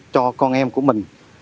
cho con em của mình